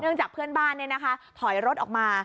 เนื่องจากเพื่อนบ้านเนี่ยนะคะถอยรถออกมา